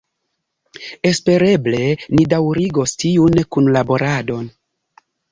Espereble ni daŭrigos tiun kunlaboradon.